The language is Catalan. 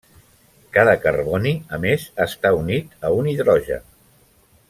Cada carboni, a més, està unit a un hidrogen.